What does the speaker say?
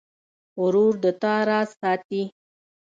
ورور د تا راز ساتي.